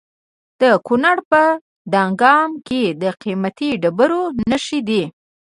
د کونړ په دانګام کې د قیمتي ډبرو نښې دي.